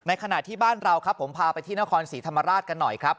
ขณะที่บ้านเราครับผมพาไปที่นครศรีธรรมราชกันหน่อยครับ